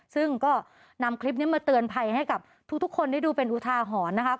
ซึ่งก็นำคลิปนี้มาเตือนภัยให้กับทุกคนได้ดูเป็นอุทาหรณ์นะคะ